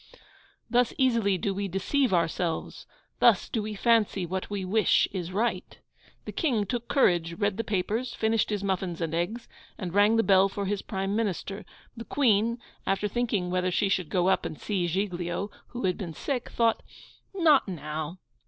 Thus easily do we deceive ourselves! Thus do we fancy what we wish is right! The King took courage, read the papers, finished his muffins and eggs, and rang the bell for his Prime Minister. The Queen, after thinking whether she should go up and see Giglio, who had been sick, thought 'Not now.